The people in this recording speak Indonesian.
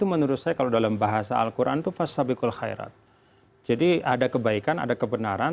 menurut saya kalau dalam bahasa alquran tufa sabiqul khairat jadi ada kebaikan ada kebenaran